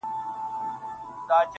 چا ویل چي خدای د انسانانو په رکم نه دی؟